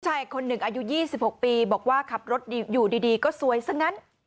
ชายคนหนึ่งอายุ๒๖ปีบอกว่าขับรถอยู่ดีก็สวยซะงั้น